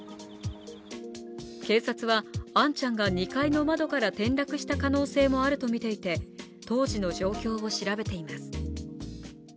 警察は杏ちゃんが２階の窓から転落した可能性もあるとみて当時の状況を調べています。